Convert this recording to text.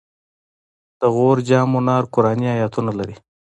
د غور جام منار قرآني آیتونه لري